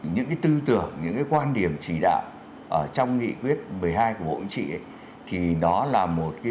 những tư tưởng những quan điểm chỉ đạo trong nghị quyết một mươi hai của bộ chính trị thì đó là một phương hướng